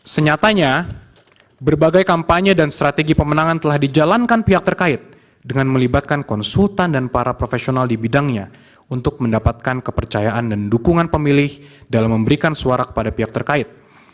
senyatanya berbagai kampanye dan strategi pemenangan telah dijalankan pihak terkait dengan melibatkan konsultan dan para profesional di bidangnya untuk mendapatkan kepercayaan dan dukungan pemilih dalam memberikan suara kepada pihak terkait